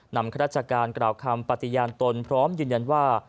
ข้าราชการกล่าวคำปฏิญาณตนพร้อมยืนยันว่า